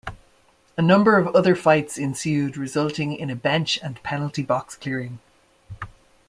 A number of other fights ensued resulting in a bench- and penalty-box clearing.